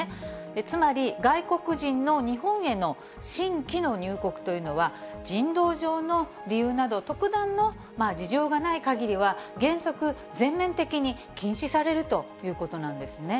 つまり外国人の日本への新規の入国というのは、人道上の理由など、特段の事情がないかぎりは、原則、全面的に禁止されるということなんですね。